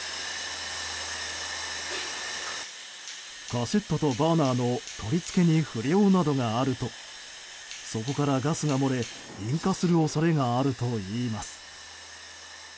カセットとバーナーの取り付けに不良などがあるとそこからガスが漏れ引火する恐れがあるといいます。